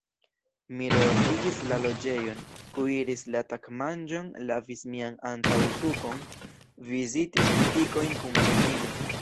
Mi reordigis la loĝejon, kuiris la tagmanĝon, lavis mian antaŭtukon, vizitis butikojn kun amikino.